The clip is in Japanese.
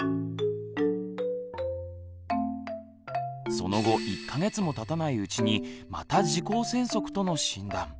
その後１か月もたたないうちにまた「耳垢栓塞」との診断。